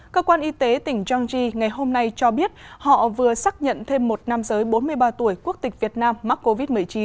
cơ quan y tế tỉnh cheongji ngày hôm nay cho biết họ vừa xác nhận thêm một nam giới bốn mươi ba tuổi quốc tịch việt nam mắc covid một mươi chín